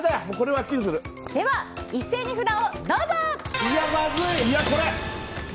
では一斉に札をどうぞ！